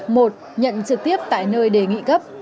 một nhận trực tiếp tại nơi đề nghị cấp